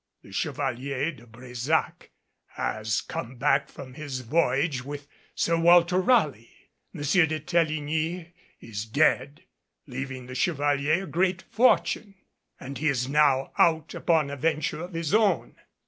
The Chevalier de Brésac has come back from his voyage with Sir Walter Raleigh. M. de Teligny is dead, leaving the Chevalier a great fortune, and he is now out upon a venture of his own.